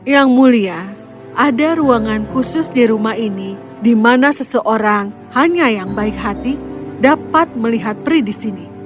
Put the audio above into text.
yang mulia ada ruangan khusus di rumah ini di mana seseorang hanya yang baik hati dapat melihat pri di sini